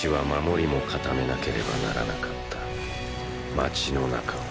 街の中を。